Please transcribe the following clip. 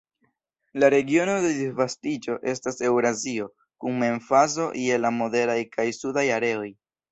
La regiono de disvastiĝo estas Eŭrazio, kun emfazo je la moderaj kaj sudaj areoj.